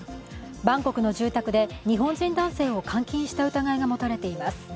バンコクの住宅で日本人男性を監禁した疑いが持たれています。